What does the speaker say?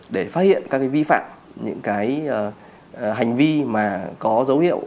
để phát hiện các cái vi phạm những cái hành vi mà có dấu hiệu